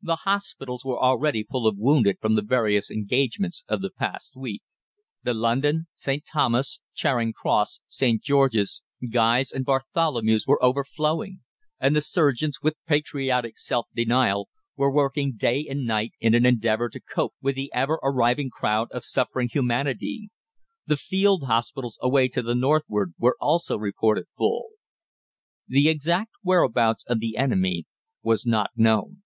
The hospitals were already full of wounded from the various engagements of the past week. The London, St. Thomas', Charing Cross, St. George's, Guy's, and Bartholomew's were overflowing; and the surgeons, with patriotic self denial, were working day and night in an endeavour to cope with the ever arriving crowd of suffering humanity. The field hospitals away to the northward were also reported full. The exact whereabouts of the enemy was not known.